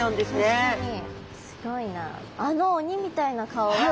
確かに。